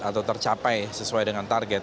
atau tercapai sesuai dengan target